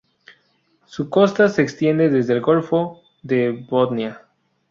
Su costa se extiende desde el Golfo de Botnia.